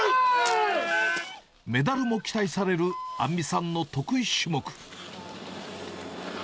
メダルも期待される杏実さんの得意種目。